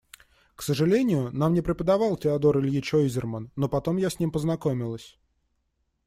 К сожалению, нам не преподавал Теодор Ильич Ойзерман, но потом я с ним познакомилась.